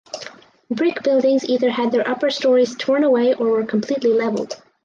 Brick buildings either had their upper stories torn away or were completely leveled.